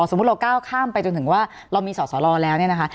สมมุติเราก้าวข้ามไปจนถึงว่าเรามีสอสอรอแล้วเนี่ยนะคะ